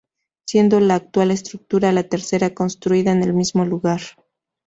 Siendo la actual estructura la tercera construida en el mismo lugar.